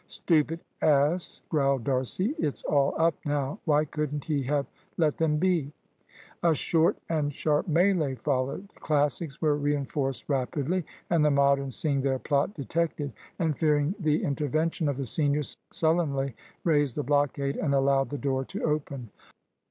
"Stupid ass!" growled D'Arcy. "It's all up now. Why couldn't he have let them be?" A short and sharp melee followed. The Classics were reinforced rapidly, and the Moderns, seeing their plot detected and fearing the intervention of the seniors, sullenly raised the blockade, and allowed the door to open.